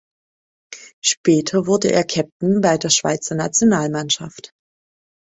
Später wurde er Captain bei der Schweizer Nationalmannschaft.